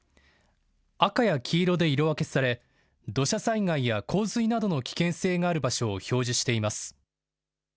赤や黄色で色分けされ土砂災害や洪水などの危険性がある場所を表示しています。